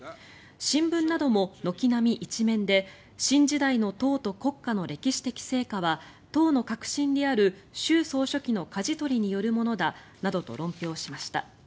新聞なども軒並み１面で新時代の党と国家の歴史的成果は党の核心である習総書記のかじ取りによるものだなどと論評しました。